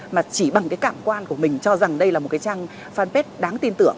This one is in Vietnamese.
mà chỉ bằng cái cảm quan của mình cho rằng đây là một cái trang fanpage đáng tin tưởng